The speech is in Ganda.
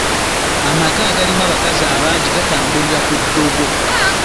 Amaka agalimu abakazi abangi gatambulira ku ddogo.